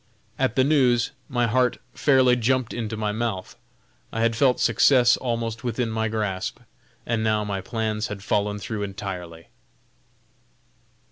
At the news, my heart fairly jumped into my mouth. I had felt success almost within my grasp, and now my plans had fallen through entirely.